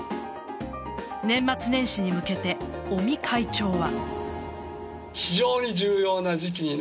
年末年始に向けて尾身会長は。